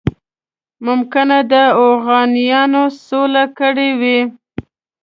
ممکنه ده اوغانیانو سوله کړې وي.